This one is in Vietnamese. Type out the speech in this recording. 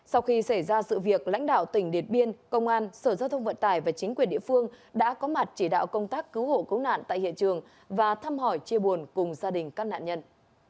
sau khi xảy ra sự việc lãnh đạo tỉnh điện biên công an sở giao thông vận tải và chính quyền địa phương đã có mặt chỉ đạo công tác cứu hộ cứu nạn tại hiện trường và thăm hỏi chia buồn cùng gia đình các nạn nhân